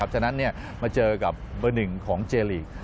ฉะนั้นมาเจอกับเบอร์หนึ่งของเจอร์ลีก